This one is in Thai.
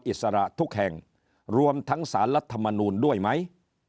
อิสระทุกแห่งรวมทั้งสารรัฐมนูลด้วยไหม